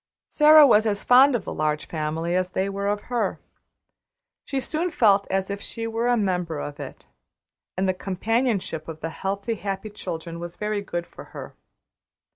Sara was as fond of the Large Family as they were of her. She soon felt as if she were a member of it, and the companionship of the healthy, happy children was very good for her.